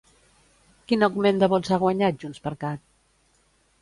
Quin augment de vots ha guanyat Juntsxcat?